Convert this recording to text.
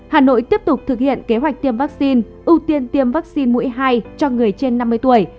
hà nội tiếp tục thực hiện kế hoạch tiêm vắc xin ưu tiên tiêm vắc xin mũi hai cho người trên năm mươi tuổi